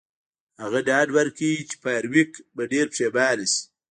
هغه ډاډ ورکړ چې فارویک به ډیر پښیمانه شي